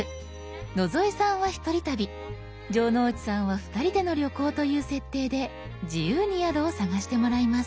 野添さんはひとり旅城之内さんはふたりでの旅行という設定で自由に宿を探してもらいます。